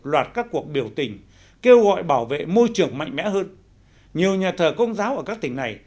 loạt các cuộc biểu tình kêu gọi bảo vệ môi trường mạnh mẽ hơn nhiều nhà thờ công giáo ở các tỉnh này